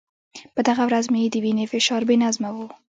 په دغه ورځ مې د وینې فشار بې نظمه و.